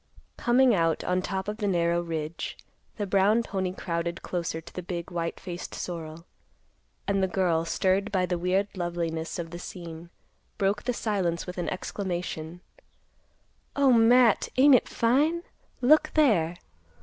Coming out on top of the narrow ridge, the brown pony crowded closer to the big, white faced sorrel, and the girl, stirred by the weird loveliness of the scene, broke the silence with an exclamation, "O Matt! Ain't it fine? Look there!"